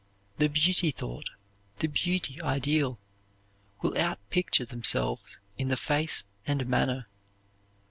The beauty thought, the beauty ideal, will outpicture themselves in the face and manner.